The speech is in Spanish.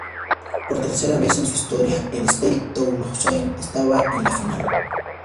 Por tercera vez en su historia el Stade Toulousain estaba en la final.